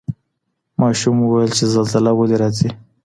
ماشوم وویل چي زلزله ولي راځي؟